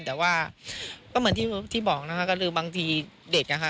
แต่ว่าก็เหมือนที่บอกนะคะก็คือบางทีเด็กอะค่ะ